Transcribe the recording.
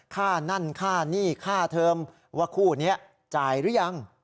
ค่านั้นค่านี่ค่าเทอร์มว่าคู่นี้จ่ายรึยัง